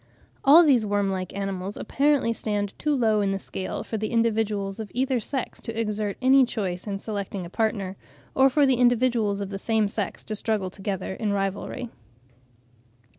All these worm like animals apparently stand too low in the scale for the individuals of either sex to exert any choice in selecting a partner, or for the individuals of the same sex to struggle together in rivalry.